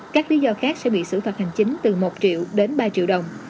các lý do khác sẽ bị xử phạt hành chính từ một triệu đến ba triệu đồng